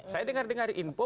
saya dengar dengar info